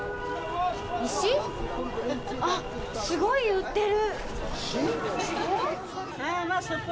石？あっ、すごい売ってる！